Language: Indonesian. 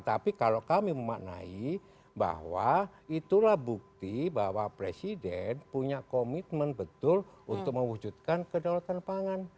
tapi kalau kami memaknai bahwa itulah bukti bahwa presiden punya komitmen betul untuk mewujudkan kedaulatan pangan